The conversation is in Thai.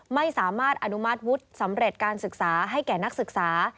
ไม่สามารถอนุมัติวุฒิสำเร็จการศึกษาให้แก่นักศึกษา